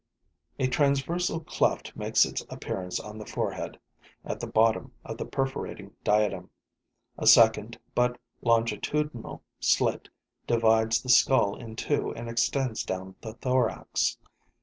A transversal cleft makes its appearance on the forehead, at the bottom of the perforating diadem; a second, but longitudinal slit divides the skull in two and extends down the thorax.